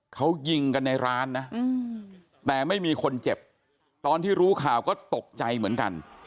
เขายิงกันในร้านนะแต่ไม่มีคนเจ็บตอนที่รู้ข่าวก็ตกใจเหมือนกัน